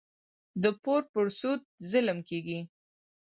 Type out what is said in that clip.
د پور پر سود ظلم کېږي.